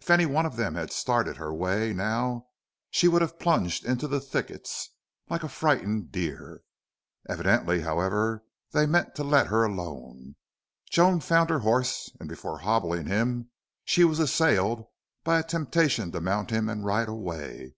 If any one of them had started her way now she would have plunged into the thickets like a frightened deer. Evidently, however, they meant to let her alone. Joan found her horse, and before hobbling him she was assailed by a temptation to mount him and ride away.